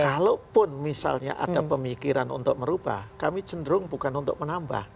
kalaupun misalnya ada pemikiran untuk merubah kami cenderung bukan untuk menambah